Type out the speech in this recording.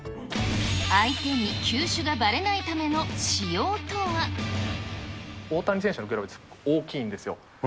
相手に球種がばれないための大谷選手のグラブって大きいんですよ。